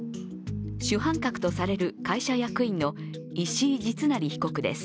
主犯格とされる会社役員の石井実成被告です。